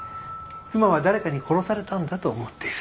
妻は誰かに殺されたんだと思っている。